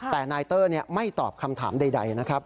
แต่นายเตอร์ไม่ตอบคำถามใดนะครับ